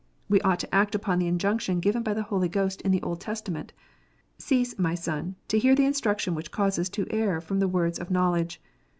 We ought to act upon the injunction given by the Holy Ghost in the Old Testament: "Cease, my son, to hear the instruction which causes to err from the words of knowledge."